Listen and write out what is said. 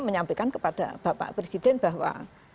menyampaikan kepada bapak presiden bahwa